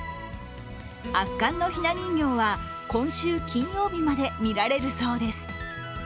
圧巻のひな人形は、今週金曜日まで見られるそうです。